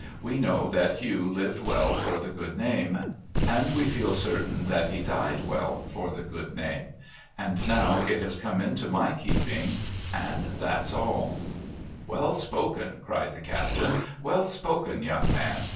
We know that Hugh lived well for the good name, and we feel certain that he died well for the good name. And now it has come into my keeping. And that's all' ' Well spoken !' cried the captain. ' Well spoken, young man